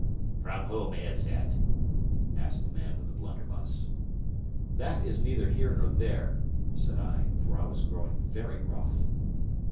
"From whom is it?" asked the man with the blunderbuss. "That is neither here nor there," said I, for I was growing very wroth.